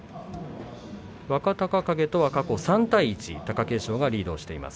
若隆景とは過去３対１と貴景勝がリードしています。